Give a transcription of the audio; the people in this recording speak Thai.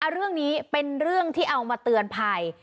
เรื่องนี้เป็นเรื่องที่เอามาเตือนภัย